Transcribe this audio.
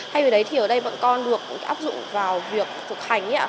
thay vì đấy thì ở đây bọn con được áp dụng vào việc thực hành